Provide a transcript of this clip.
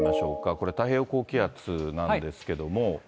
これ、太平洋高気圧なんですけれども。